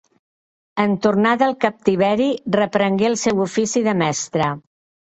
En tornar del captiveri reprengué el seu ofici de mestre.